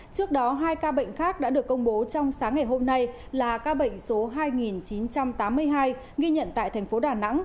trước đó hai ca bệnh khác đã được công bố trong sáng ngày hôm nay là ca bệnh số hai chín trăm tám mươi hai ghi nhận tại thành phố đà nẵng